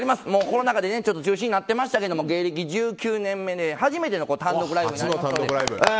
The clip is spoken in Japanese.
コロナ禍で中止になってましたけど芸歴１９年目で初めての単独ライブになります。